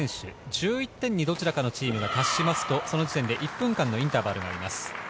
１１点にどちらのチームが達すると１分間のインターバルがあります。